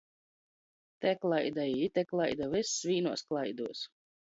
Te klaida i ite klaida, vyss vīnuos klaiduos.